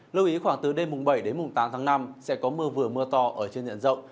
lưu ý khoảng từ đêm bảy đến mùng tám tháng năm sẽ có mưa vừa mưa to ở trên diện rộng